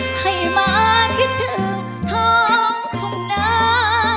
ให้มากิถึงทองทุ่งน้ำ